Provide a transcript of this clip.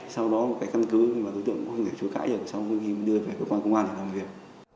sau đó một cái căn cứ mà đối tượng cũng không thể chối cãi được sau đó hưng đưa về cơ quan công an để làm việc